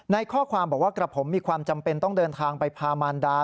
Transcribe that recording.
ข้อความบอกว่ากระผมมีความจำเป็นต้องเดินทางไปพามารดา